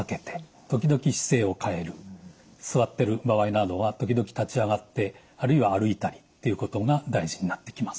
座ってる場合などは時々立ち上がってあるいは歩いたりっていうことが大事になってきます。